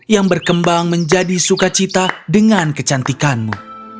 yang berkembang menjadi sukacita dengan kecantikanmu